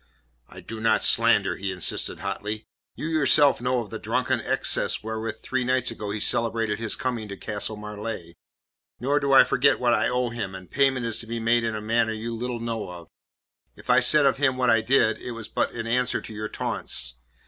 "I do not slander," he insisted hotly. "You yourself know of the drunken excess wherewith three nights ago he celebrated his coming to Castle Marleigh. Nor do I forget what I owe him, and payment is to be made in a manner you little know of. If I said of him what I did, it was but in answer to your taunts.